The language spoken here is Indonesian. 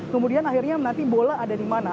kemudian akhirnya nanti bola ada dimana